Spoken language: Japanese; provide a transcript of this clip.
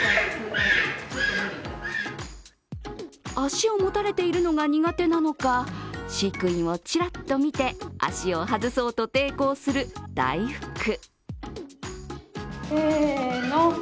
足を持たれているのが苦手なのか、飼育員をちらっと見て、足を外そうと抵抗するだいふく。